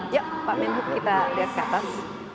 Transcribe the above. ya pak menhub kita lihat ke atas